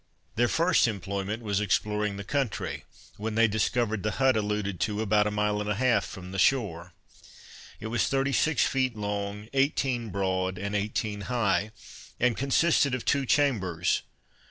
Their first employment was exploring the country, when they discovered the hut alluded to, about a mile and a half from the shore. It was thirty six feet long, eighteen broad and eighteen high; and consisted of two chambers.